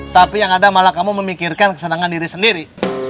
tapi yang ada malah kamu memikirkan kesenangan diri sendiri